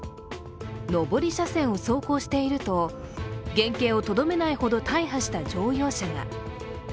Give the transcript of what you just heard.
上り車線を走行していると原形をとどめないほど大破した乗用車が。